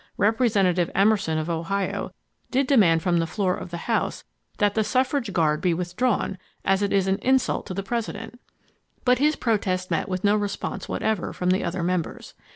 Representative Emerson of Ohio did demand from the floor of the House that the "suffrage guard be withdrawn, as it is an insult to the President," but his protest met with no response whatever from the other members.